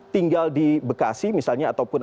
tinggal di bekasi misalnya ataupun